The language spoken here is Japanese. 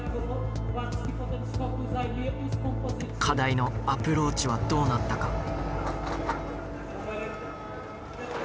課題のアプローチはどうなったか。